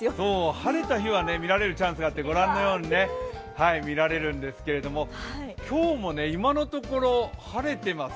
晴れた日は見られるチャンスがあってご覧のように見られるんですが今日も今のところ晴れてます。